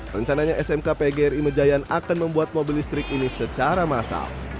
rencananya smk pgri mejayan akan membuat mobil listrik ini secara massal